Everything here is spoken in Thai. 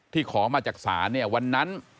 ขอมาจากศาลเนี่ยวันนั้น